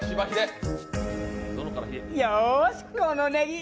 よーし、このねぎ、